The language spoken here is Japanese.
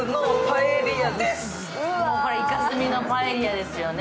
イカスミのパエリアですよね。